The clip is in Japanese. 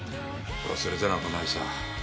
忘れてなんかないさ。